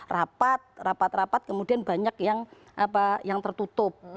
rapat rapat kemudian banyak yang tertutup